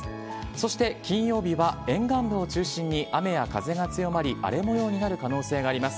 そして金曜日は沿岸部を中心に、雨や風が強まり、荒れもようになる可能性があります。